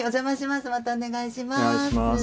またお願いします。